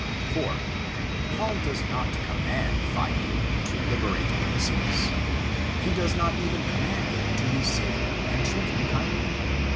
4. Paul does not command Philemon to liberate Onesimus. He does not even command him to receive him and treat him kindly.